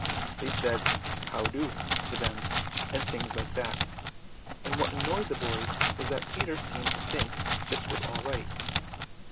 They said "How do?" to them, and things like that; and what annoyed the boys was that Peter seemed to think this all right.